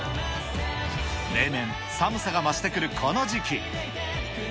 例年、寒さが増してくるこの時期。